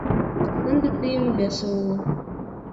Ынде тыйын весе уло